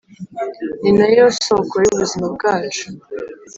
ninayo soko y’ubuzima bwacu